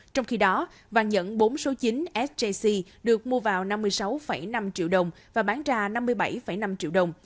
trong khi đó vàng nhẫn bốn số chín sjc được mua vào năm mươi sáu năm triệu đồng và bán ra năm mươi bảy năm triệu đồng